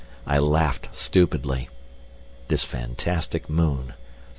I laughed stupidly. This fantastic moon!